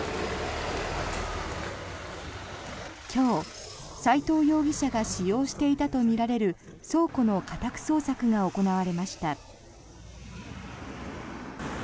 今日、齋藤容疑者が使用していたとみられる倉庫の家宅捜索が行われました。